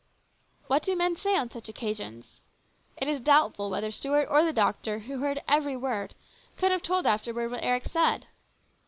What do men say on such occasions ? It is doubtful whether Stuart or the doctor, who heard every word, could have told afterward what Eric said.